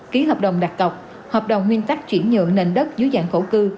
ký hợp đồng đặc tộc hợp đồng nguyên tắc chuyển nhượng nền đất dưới dạng khổ cư